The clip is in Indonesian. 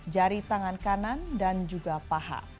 jari tangan kanan dan juga paha